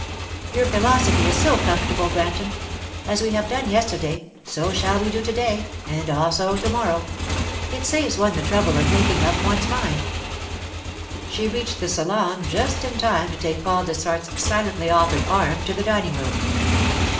'Your philosophy is so comfortable, Granton! As we have done yesterday, so shall we do to day and also to morrow. It saves one the trouble of making up one's mind.' She reached the salon just in time to take Paul Dessart's silently offered arm to the dining room.